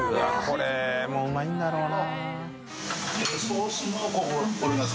これもうまいんだろうな。